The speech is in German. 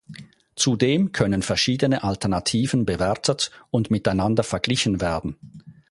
Zudem können verschiedene Alternativen bewertet und miteinander verglichen werden.